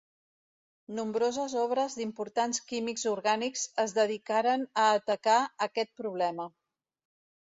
Nombroses obres d'importants químics orgànics es dedicaren a atacar aquest problema.